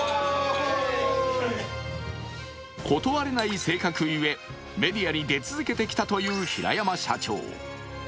断れない性格ゆえ、メディアに出続けてきたという平山社長。